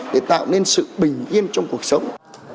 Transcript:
để tạo nên sự bình yên trong cuộc sống